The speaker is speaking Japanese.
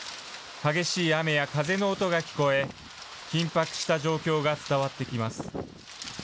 激しい雨や風の音が聞こえ、緊迫した状況が伝わってきます。